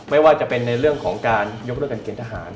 ไม่ว่าจะเป็นในเรื่องของการยกเลิกการเกณฑหาร